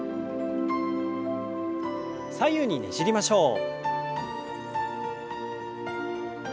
左右にねじりましょう。